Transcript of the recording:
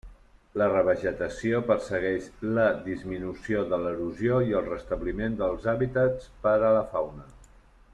La revegetació persegueix la disminució de l'erosió i el restabliment dels hàbitats per a la fauna.